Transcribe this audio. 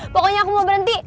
pokoknya aku mau berhenti